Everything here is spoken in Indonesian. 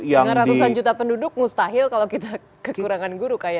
dengan ratusan juta penduduk mustahil kalau kita kekurangan guru